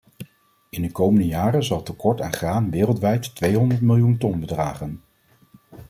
In de komende jaren zal het tekort aan graan wereldwijd tweehonderd miljoen ton bedragen.